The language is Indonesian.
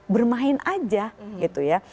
bermain aja gitu ya